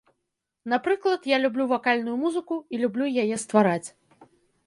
Напрыклад, я люблю вакальную музыку і люблю яе ствараць.